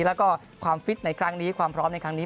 แล้วก็ความฟิตในครั้งนี้ความพร้อมในครั้งนี้